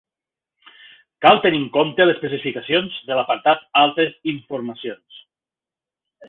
Cal tenir en compte les especificacions de l'apartat 'Altres informacions'.